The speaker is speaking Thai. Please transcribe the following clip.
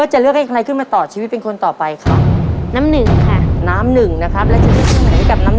เชียร์ที่ทำปอนด์